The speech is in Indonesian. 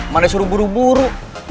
mana suruh buru buru